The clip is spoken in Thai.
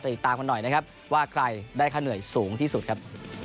ติดตามกันหน่อยนะครับว่าใครได้ค่าเหนื่อยสูงที่สุดครับ